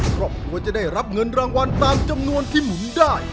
ครอบครัวจะได้รับเงินรางวัลตามจำนวนที่หมุนได้